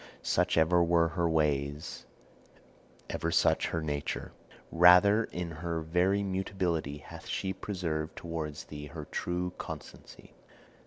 Such ever were her ways, ever such her nature. Rather in her very mutability hath she preserved towards thee her true constancy.